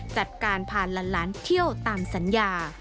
จัดการผ่านหลานเที่ยวตามสัญญา